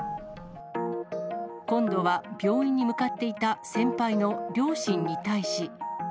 今度は病院に向かっていた先輩の両親に対し。